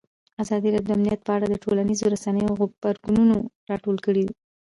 ازادي راډیو د امنیت په اړه د ټولنیزو رسنیو غبرګونونه راټول کړي.